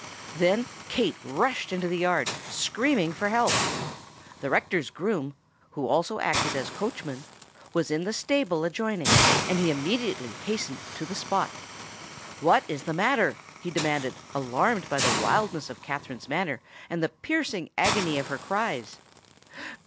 Then Kate rushed into the yard, screaming for help. The rector's groom (who also acted as coachman) was in the stable adjoining; and he immediately hastened to the spot. "What is the matter?" he demanded, alarmed by the wildness of Katherine's manner and the piercing agony of her cries.